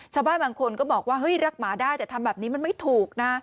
ชาวบ้านบางคนก็บอกว่าเฮ้ยรักหมาได้แต่ทำแบบนี้มันไม่ถูกนะ